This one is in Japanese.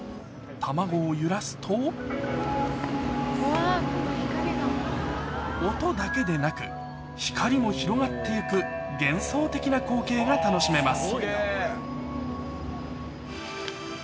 卵を揺らすと音だけでなく光も広がって行く幻想的な光景が楽しめます